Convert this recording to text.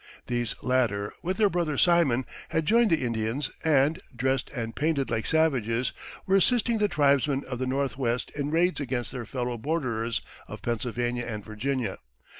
These latter, with their brother Simon, had joined the Indians and, dressed and painted like savages, were assisting the tribesmen of the Northwest in raids against their fellow borderers of Pennsylvania and Virginia.